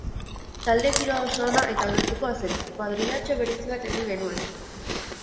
Talde giroa oso ona eta gertukoa zen, kuadrillatxo berezi bat egin genuen.